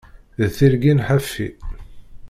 D tirgin ḥafi.